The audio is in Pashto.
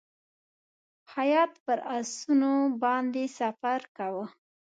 هیات پر آسونو باندې سفر کاوه.